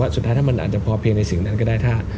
สุดท้ายมันอาจจะพอเพียงในนั้นก็ได้